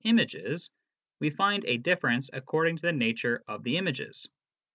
images, we find a difference according to the nature of the images.